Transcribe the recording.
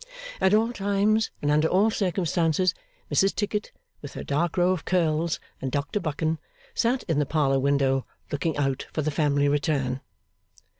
At all times, and under all circumstances, Mrs Tickit, with her dark row of curls, and Dr Buchan, sat in the parlour window, looking out for the family return.